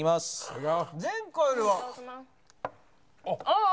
あっ。